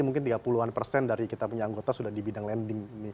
mungkin tiga puluh an persen dari kita punya anggota sudah di bidang lending